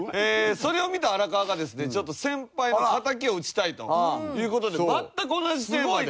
それを見た荒川がですねちょっと先輩の敵を討ちたいという事で全く同じテーマで。